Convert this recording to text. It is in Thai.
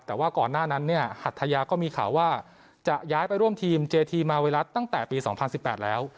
แต่ว่าก่อนหน้านั้นเนี่ยหัทยาก็มีข่าวว่าจะย้ายไปร่วมทีมเจธีมาวิรัติตั้งแต่ปี๒๐๑๘แล้ว